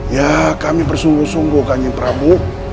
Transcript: ya kami bersungguh sungguh kanjeng prabu